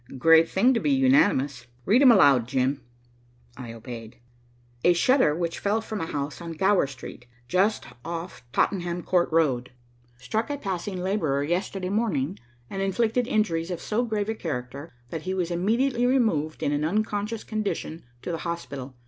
"Great thing to be unanimous. Read 'em aloud, Jim." I obeyed. "'A shutter which fell from a house on Gower Street, just off Tottenham Court Road, struck a passing laborer yesterday morning, and inflicted injuries of so grave a character that he was immediately removed in an unconscious condition to the hospital.